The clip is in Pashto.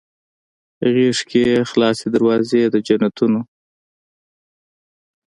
غیږ کې یې خلاصې دروازې د جنتونه